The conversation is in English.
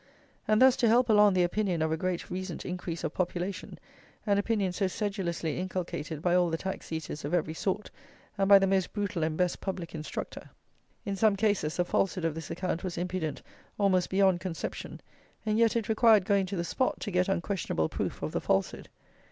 And thus to help along the opinion of a great recent increase of population, an opinion so sedulously inculcated by all the tax eaters of every sort, and by the most brutal and best public instructor. In some cases the falsehood of this account was impudent almost beyond conception; and yet it required going to the spot to get unquestionable proof of the falsehood.